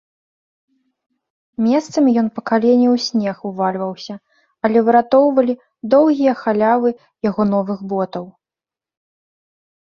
Месцамі ён па калені ў снег увальваўся, але выратоўвалі доўгія халявы яго новых ботаў.